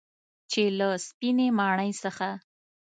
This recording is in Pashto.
چې له سپینې ماڼۍ څخه